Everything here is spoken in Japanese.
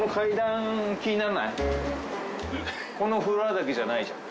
このフロアだけじゃないじゃん。